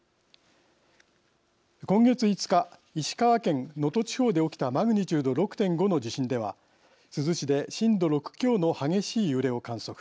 今月５日石川県能登地方で起きたマグニチュード６．５の地震では珠洲市で震度６強の激しい揺れを観測。